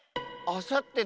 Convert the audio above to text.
あさって？